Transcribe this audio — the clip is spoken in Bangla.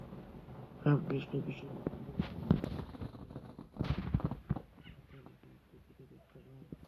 রামকৃষ্ণ মিশনের পুরোহিতেরা খাম খুলে হাতে লেখা একটি চিঠি দেখতে পান।